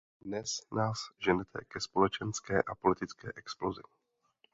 Dnes nás ženete ke společenské a politické explozi.